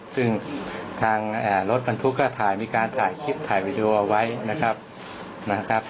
ซึ่งทางรถบรรทุกก็ถ่ายมีการถ่ายคลิปถ่ายวีดีโอเอาไว้นะครับ